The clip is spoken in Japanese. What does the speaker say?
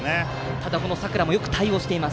ただ、佐倉もよく対応しています。